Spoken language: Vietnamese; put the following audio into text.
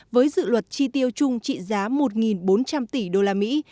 với dự luật chi tiêu chung trị giá một bốn trăm linh tỷ đô la mỹ